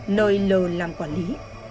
nơi l làm quản lý